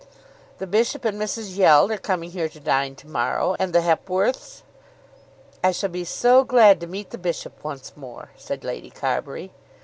"The bishop and Mrs. Yeld are coming here to dine to morrow, and the Hepworths." "I shall be so glad to meet the bishop once more," said Lady Carbury.